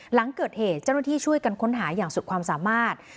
หลังเกิดเหตุเจ้าหน้าที่ช่วยกันค้นหาอย่างสุดความสามารถ